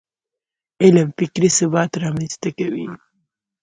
علم فکري ثبات رامنځته کوي.